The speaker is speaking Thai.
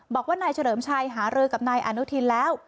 บอกว่านายเฉลิมชัยหารือกับนายอนุทินแล้ว